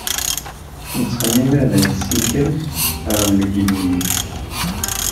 Nettxemmim ad nessikel ɣer Legliz.